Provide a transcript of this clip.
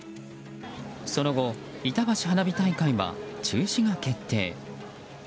その後、いたばし花火大会は中止が決定。